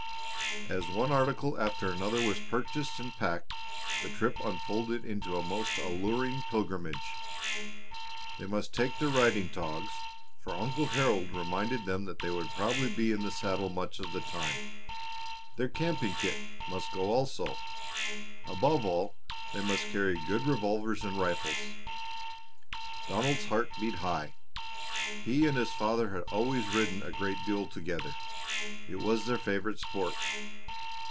As one article after another was purchased and packed the trip unfolded into a most alluring pilgrimage. They must take their riding togs, for Uncle Harold reminded them that they would probably be in the saddle much of the time; their camping kit must go also; above all they must carry good revolvers and rifles. Donald's heart beat high. He and his father had always ridden a great deal together; it was their favorite sport.